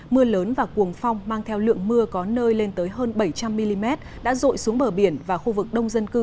mưa lớn và cuồng phong mang theo lượng mưa có nơi lên tới hơn bảy trăm linh mm đã rội xuống bờ biển và khu vực đông dân cư